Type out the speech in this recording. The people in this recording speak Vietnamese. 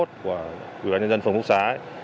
của ubnd phường phúc xá